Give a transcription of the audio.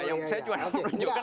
yang saya cuma mau tunjukkan